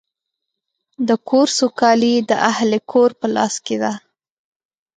د کور سوکالي د اهلِ کور په لاس کې ده.